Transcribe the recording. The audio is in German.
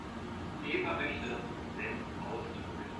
Eva möchte das Dokument ausdrucken.